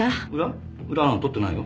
裏なんか取ってないよ。